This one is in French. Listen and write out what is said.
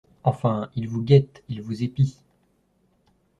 Enfin, il vous guette, il vous épie…